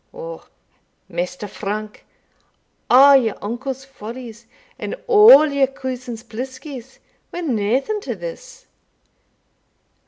O, Maister Frank! a' your uncle's follies, and a' your cousin's pliskies, were naething to this!